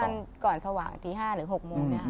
ประมาณก่อนสว่างตี๕๖โมงนะครับ